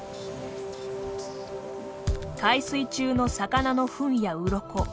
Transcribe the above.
海水中の魚のフンやウロコ